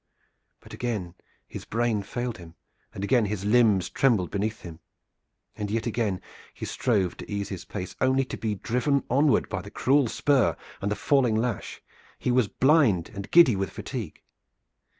But again his brain failed him and again his limbs trembled beneath him, and yet again he strove to ease his pace, only to be driven onward by the cruel spur and the falling lash. He was blind and giddy with fatigue.